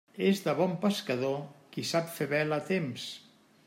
És de bon pescador qui sap fer vela a temps.